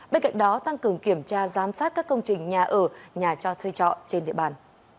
bên cạnh đó tăng cường kiểm tra giám sát các công trình nhà ở nhà cho thuê trọ trên địa bàn